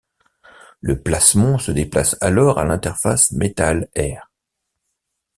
Le plasmon se déplace alors à l'interface métal-air.